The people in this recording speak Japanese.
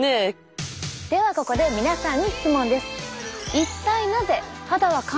ではここで皆さんに質問です。